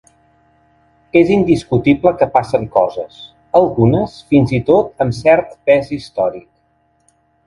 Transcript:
És indiscutible que passen coses, algunes fins i tot amb cert pes històric.